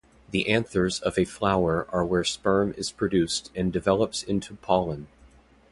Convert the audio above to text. The anthers of a flower are where sperm is produced and develops into pollen.